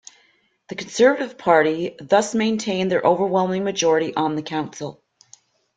The Conservative Party thus maintained their overwhelming majority on the council.